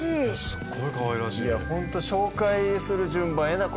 すっごいかわいらしい。